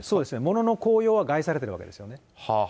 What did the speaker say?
ものの効用は害されてるわけですよね。